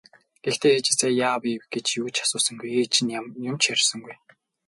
Гэхдээ ээжээсээ яав ийв гэж юу ч асуусангүй, ээж нь ч юм ярьсангүй.